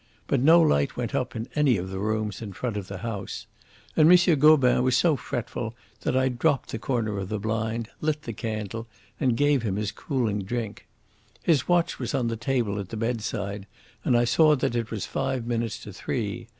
But no light went up in any of the rooms in front of the house. And M. Gobin was so fretful that I dropped the corner of the blind, lit the candle, and gave him his cooling drink. His watch was on the table at the bedside, and I saw that it was five minutes to three.